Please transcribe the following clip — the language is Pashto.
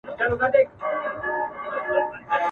نه پوهېږم پر دې لاره څرنګه ولاړم ..